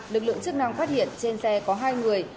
lực lượng chức năng phát hiện trên xe có hai người